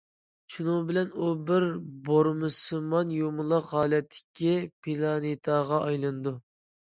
شۇنىڭ بىلەن ئۇ بىر بۇرمىسىمان يۇمىلاق ھالەتتىكى پىلانېتاغا ئايلىنىدۇ.